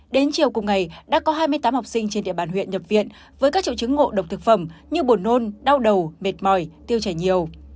đến chiều cùng ngày đã có hai mươi tám học sinh trên địa bàn huyện nhập viện với các triệu chứng ngộ độc thực phẩm như buồn nôn đau đầu mệt mỏi tiêu chảy nhiều